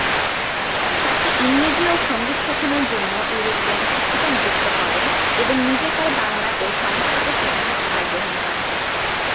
তাকে ইংরেজি ও সঙ্গীত শেখানোর জন্য ইউরোপিয়ান শিক্ষিকা নিযুক্ত করেন এবং নিজে তার বাংলা ও সংস্কৃত শিক্ষার ভার গ্রহণ করেন।